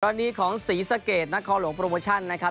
ตอนนี้ของศรีสะเกดนครหลวงโปรโมชั่นนะครับ